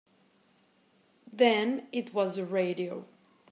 Then it was the radio.